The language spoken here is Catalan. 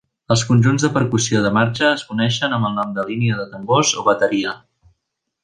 Els conjunts de percussió de marxa es coneixen amb el nom de línia de tambors o bateria.